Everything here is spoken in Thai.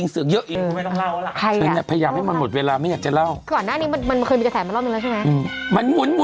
สวัสดีครับ